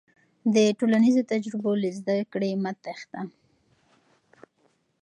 د ټولنیزو تجربو له زده کړې مه تېښته.